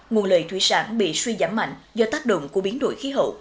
nguồn lợi thủy sản bị suy giảm mạnh do tác động của biến đổi khí hậu